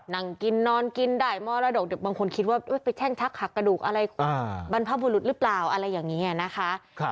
นั่งกินนอนกินได้มรดกบางคนคิดว่าไปแช่งชักหักกระดูกอะไรบรรพบุรุษหรือเปล่าอะไรอย่างนี้นะคะ